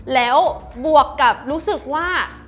แล้วบวกกับรู้สึกว่า